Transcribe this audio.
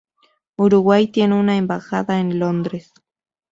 Uruguay tiene una embajada en Londres.